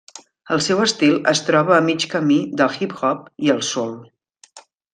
El seu estil es troba a mig camí del hip-hop i el soul.